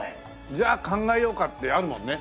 じゃあ考えようかってあるもんね。